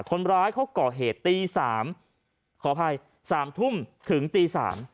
คนร้ายเขาก่อเหตุตี๓ขออภัย๓ทุ่มถึงตี๓